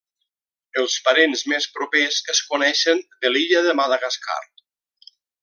Els parents més propers es coneixen de l'illa de Madagascar.